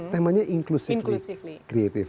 temanya inklusifly kreatif